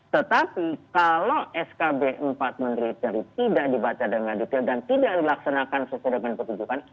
tetapi kalau skb empat menteri dari tidak dibaca dengan detail dan tidak dilaksanakan sesuai dengan pertunjukan